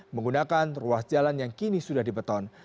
menggunakan ruas jalan yang kini sudah dibeton